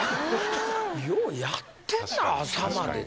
ようやってんな朝までって。